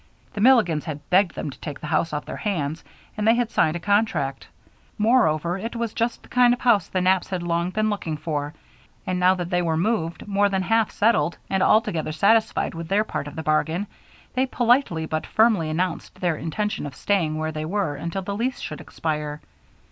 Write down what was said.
The Milligans had begged them to take the house off their hands, and they had signed a contract. Moreover, it was just the kind of house the Knapps had long been looking for, and now that they were moved, more than half settled, and altogether satisfied with their part of the bargain, they politely but firmly announced their intention of staying where they were until the lease should expire.